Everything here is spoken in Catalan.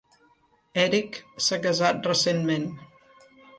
Eric s'ha casat recentment.